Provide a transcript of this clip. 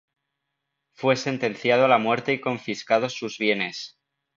Fue sentenciado a la muerte y confiscados sus bienes.